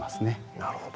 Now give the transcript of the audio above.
なるほど。